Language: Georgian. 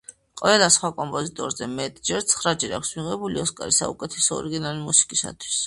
ყველა სხვა კომპოზიტორზე მეტჯერ, ცხრაჯერ აქვს მიღებული ოსკარი საუკეთესო ორიგინალური მუსიკისთვის.